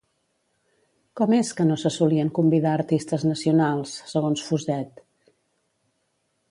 Com és que no se solien convidar artistes nacionals, segons Fuset?